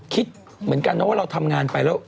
คิดเหมือนกันนะว่าเราทำงานไปแล้ว